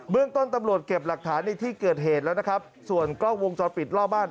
เรื่องต้นตำรวจเก็บหลักฐานในที่เกิดเหตุแล้วนะครับส่วนกล้องวงจรปิดรอบบ้าน